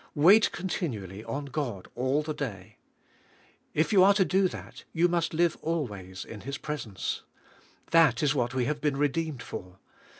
Wait continually on God all the day. If you are to do 178 THAT GOD MAY BE ALL IN ALL that, you must live always in His presence. That is what we have been redeemed for.